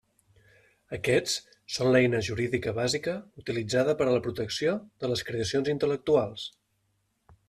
Aquests són l'eina jurídica bàsica utilitzada per a la protecció de les creacions intel·lectuals.